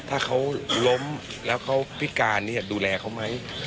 ถ้าเขาล้มแล้วเขาพิการดูแลเขาไหม